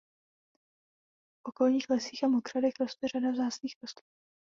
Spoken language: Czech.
V okolních lesích a mokřadech roste řada vzácných rostlin.